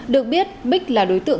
được biết bích là đối tượng